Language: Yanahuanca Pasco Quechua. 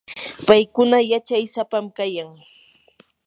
paykuna yachay sapam kayan.